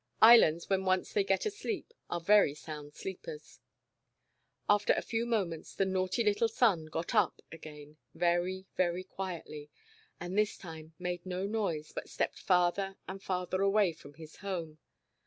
Islands, when once they get aleep, are very sound sleepers. After a few moments the naughty little son got up again very, very quietly, and this time made no noise but stepped farther and farther away from his home.